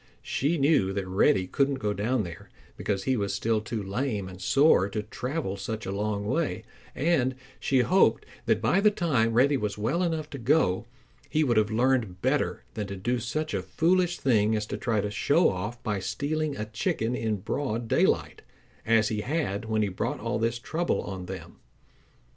She knew that Reddy couldn't go down there, because he was still too lame and sore to travel such a long way, and she hoped that by the time Reddy was well enough to go, he would have learned better than to do such a foolish thing as to try to show off by stealing a chicken in broad daylight, as he had when he brought all this trouble on them.